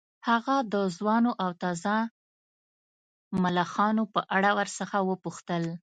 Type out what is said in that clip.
هغه د ځوانو او تازه ملخانو په اړه ورڅخه وپوښتل